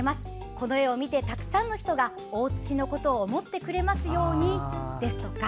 「この絵を見て、たくさんの人が大槌のことを思ってくれますように」ですとか